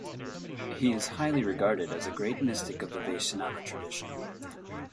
He is highly regarded as a great mystic of the Vaishnava tradition.